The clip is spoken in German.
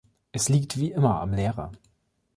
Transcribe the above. Es liegt wie immer am Lehrer.